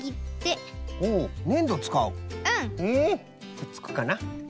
くっつくかな。